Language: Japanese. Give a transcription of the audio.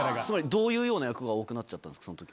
つまりどういうような役が多くなっちゃったんですか？